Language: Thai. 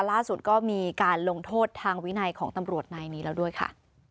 ล่าสุดก็มีการลงโทษทางวินัยของตำรวจนายนี้แล้วด้วยค่ะ